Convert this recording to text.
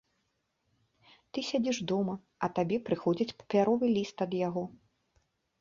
Ты сядзіш дома, а табе прыходзіць папяровы ліст ад яго.